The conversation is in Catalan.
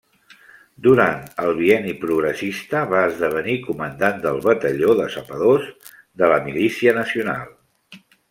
Durant el Bienni Progressista va esdevenir comandant del batalló de sapadors de la milícia nacional.